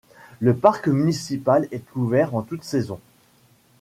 Le parc municipal est ouvert en toute saison.